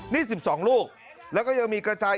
นี่๑๒ลูกแล้วก็ยังมีกระจาย